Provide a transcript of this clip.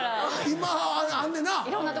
今あんねんな